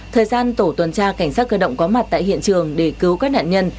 thời gian tổ tuần tra cảnh sát cơ động có mặt tại hiện trường để cứu các nạn nhân